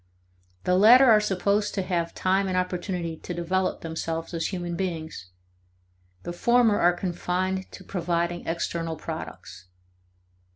The latter are supposed to have time and opportunity to develop themselves as human beings; the former are confined to providing external products.